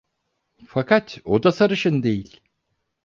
Fakat o da sarışın değil!